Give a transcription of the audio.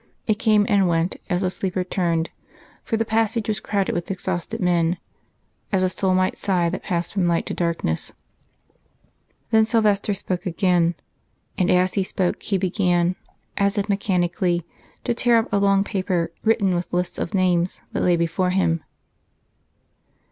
It came and went as a sleeper turned, for the passage was crowded with exhausted men as a soul might sigh that passed from light to darkness. Then Silvester spoke again. And as He spoke He began, as if mechanically, to tear up a long paper, written with lists of names, that lay before Him.